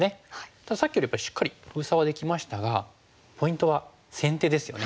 たださっきよりはやっぱりしっかり封鎖はできましたがポイントは先手ですよね。